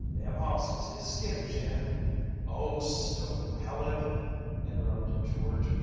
"Them hosses is skittish, and " "Oh, stow it, Peleg," interrupted George.